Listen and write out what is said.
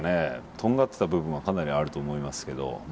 とんがってた部分はかなりあると思いますけどま